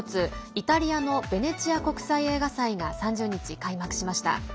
イタリアのベネチア国際映画祭が３０日、開幕しました。